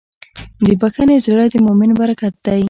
د بښنې زړه د مؤمن برکت دی.